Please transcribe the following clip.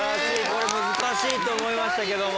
これ難しいと思いましたけども。